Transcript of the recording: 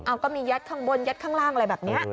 เอาก็มียัดข้างบนยัดข้างล่างอะไรแบบนี้